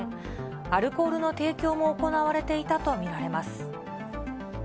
アルコールの提供も行われていたと見られます。